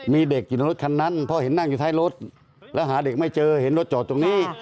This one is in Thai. มีเด็กอยู่ในรถคันนั้นเพราะเห็นนั่งอยู่ท้ายรถแล้วหาเด็กไม่เจอเห็นรถจอดตรงนี้